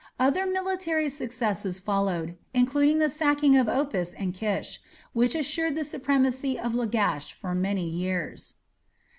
Other military successes followed, including the sacking of Opis and Kish, which assured the supremacy of Lagash for many years.